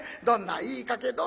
どんないい家系